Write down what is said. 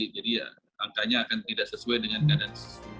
jadi ya angkanya akan tidak sesuai dengan keadaan